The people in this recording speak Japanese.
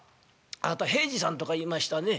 あなた平次さんとかいいましたね。